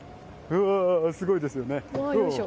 すごいですよね！